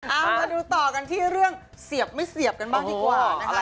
เอามาดูต่อกันที่เรื่องเสียบไม่เสียบกันบ้างดีกว่านะคะ